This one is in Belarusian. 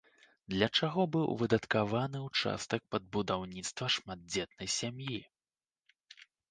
Для чаго быў выдаткаваны ўчастак пад будаўніцтва шматдзетнай сям'і?